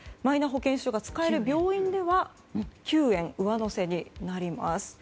マイナ保険証が使える病院では９円上乗せになります。